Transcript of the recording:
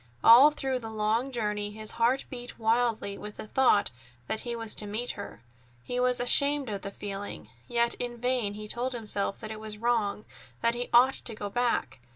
All through the long journey his heart beat wildly with the thought that he was to meet her. He was ashamed of the feeling. Yet in vain he told himself that it was wrong; that he ought to go back.